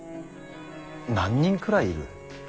何人くらいいる。